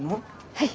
はい。